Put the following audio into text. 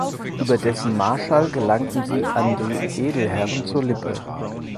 Über dessen Marschall gelangte sie an die Edelherren zur Lippe.